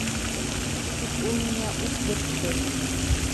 Тик ул миңә ут бөрктө.